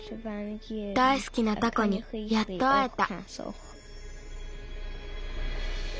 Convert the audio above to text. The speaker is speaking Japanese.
だいすきなタコにやっとあえた。